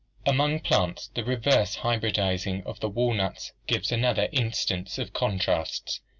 (See PL II.) Among plants the reverse hybridizing of the walnuts gives an other instance of contrasts.